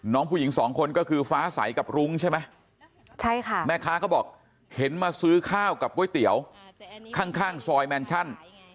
น้องผู้หญิงสองคนก็คือฟ้าใสกับรุ้งใช่ไหมใช่ค่ะแม่ค้าเขาบอกเห็นมาซื้อข้าวกับก๋วยเตี๋ยวข้างซอยแมนชั่น